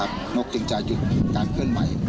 นกจึงจะหยุดการเคลื่อนใหม่